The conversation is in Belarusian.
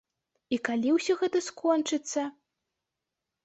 І калі ўсё гэта скончыцца?